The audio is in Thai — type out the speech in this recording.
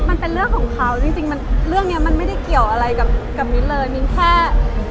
มีนเชื่อนะคะว่าพี่แอฟเชื่อว่ามันไม่คือคนแบบนั้น